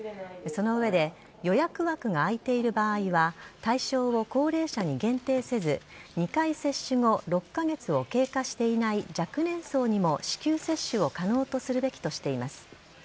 その上で予約枠が空いている場合は対象を高齢者に限定せず２回接種後６カ月を経過していない若年層にも至急、接種を可能とするべきとしています。